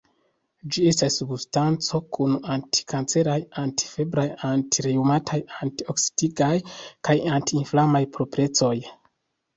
Ĝi estas substanco kun anti-kanceraj, anti-febraj, anti-reŭmataj, anti-oksidigaj kaj anti-inflamaj proprecoj.